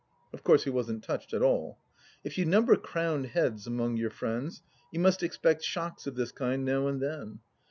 Of course he wasn't touched at all. If you number crowned heads among your friends you must expect shocks of this kind now and then.